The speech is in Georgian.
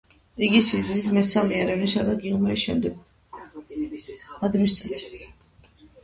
იგი სიდიდით მესამეა ერევნისა და გიუმრის შემდეგ, ლორის პროვინციის ადმინისტრაციული ცენტრი.